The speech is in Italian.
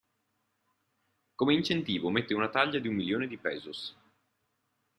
Come incentivo mette una taglia di un milione di pesos.